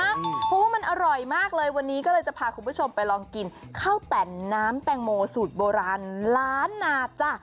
เพราะว่ามันอร่อยมากเลยวันนี้ก็เลยจะพาคุณผู้ชมไปลองกินข้าวแต่นน้ำแตงโมสูตรโบราณล้านนาจ้ะ